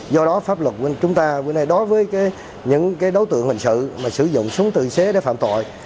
do đó pháp luật của chúng ta đối với những đối tượng hình sự mà sử dụng súng tự chế để phạm tội